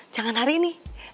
jangan hari ini